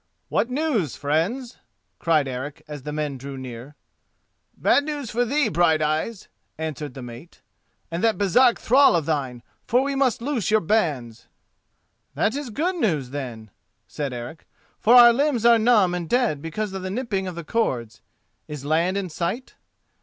"What news, friends?" cried Eric as the men drew near. "Bad news for thee, Brighteyes," answered the mate, "and that Baresark thrall of thine, for we must loose your bands." "That is good news, then," said Eric, "for our limbs are numb and dead because of the nipping of the cords. Is land in sight?"